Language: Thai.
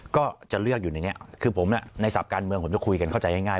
ก็จะเลือกอยู่ในนี้คือผมในศัพท์การเมืองผมจะคุยกันเข้าใจง่าย